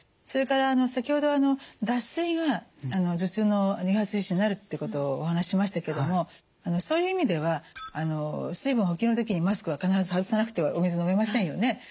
それから先ほど脱水が頭痛の誘発因子になるっていうことをお話ししましたけどもそういう意味では水分補給の時にマスクは必ず外さなくてはお水飲めませんよね？